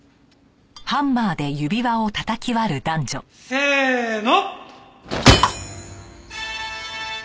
せーの！